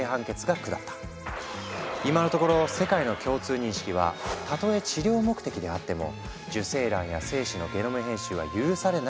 今のところ世界の共通認識は「たとえ治療目的であっても受精卵や精子のゲノム編集は許されない」というもの。